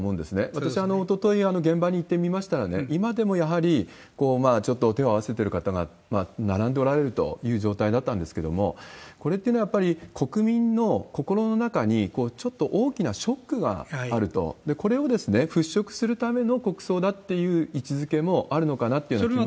私、おととい、現場に行ってみましたらね、今でもやっぱり手を合わせる状態で並んでおられるという状態だったんですけれども、これっていうのは、やっぱり国民の心の中にちょっと大きなショックがあると、これを払拭するための国葬だっていう位置づけもあるのかなというのは。